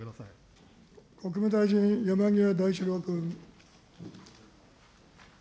国務大臣、山際大志郎君。